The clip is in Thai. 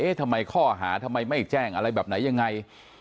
ทำไมข้อหาทำไมไม่แจ้งอะไรแบบไหนยังไง